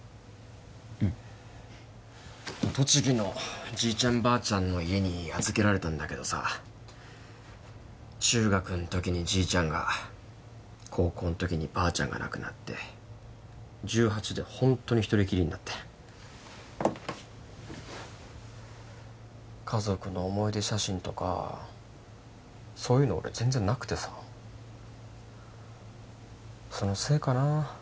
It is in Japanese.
うん栃木のじいちゃんばあちゃんの家に預けられたんだけどさ中学んときにじいちゃんが高校んときにばあちゃんが亡くなって１８でホントにひとりきりになって家族の思い出写真とかそういうの俺全然なくてさそのせいかな